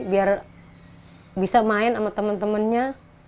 biar bisa main sama temen temennya